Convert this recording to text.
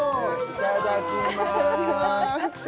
いただきます